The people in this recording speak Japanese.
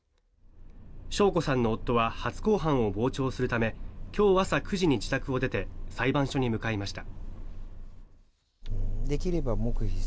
晶子さんの夫は初公判を傍聴するため今日朝９時に自宅を出て裁判所に向かいました。